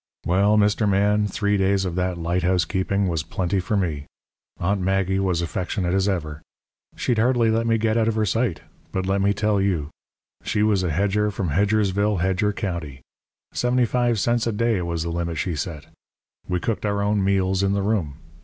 "Well, Mr. Man, three days of that light housekeeping was plenty for me. Aunt Maggie was affectionate as ever. She'd hardly let me get out of her sight. But let me tell you. She was a hedger from Hedgersville, Hedger County. Seventy five cents a day was the limit she set. We cooked our own meals in the room.